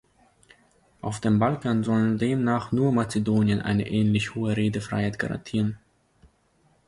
Auf dem Balkan soll demnach nur Mazedonien eine ähnlich hohe Redefreiheit garantieren.